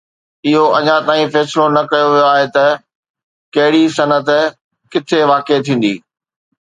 اهو اڃا تائين فيصلو نه ڪيو ويو آهي ته ڪهڙي صنعت ڪٿي واقع ٿيندي.